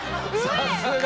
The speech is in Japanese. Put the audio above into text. さすが！